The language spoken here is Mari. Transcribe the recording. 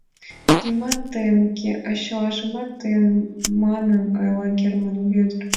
Нимат тыйын уке, а чылажат тыйын, — манын ойла Герман Вӧдыр.